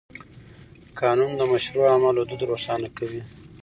قانون د مشروع عمل حدود روښانه کوي.